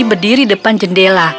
berdiri depan jendela